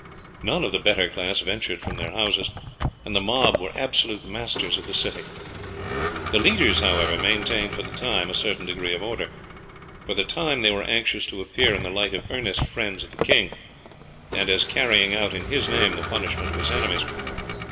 None of the better class ventured from their houses, and the mob were absolute masters of the city. The leaders, however, maintained for the time a certain degree of order. For the time they were anxious to appear in the light of earnest friends of the king, and as carrying out in his name the punishment of his enemies.